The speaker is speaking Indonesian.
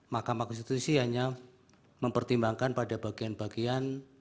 mahkamah konstitusi hanya mempertimbangkan pada bagian bagian